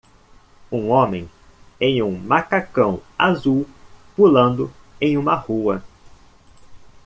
Um homem em um macacão azul pulando em uma rua.